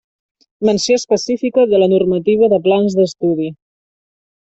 Menció específica de la normativa de plans d'estudi.